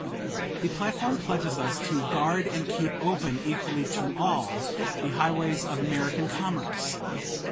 The platform pledges us to "guard and keep open equally to all, the highways of American commerce."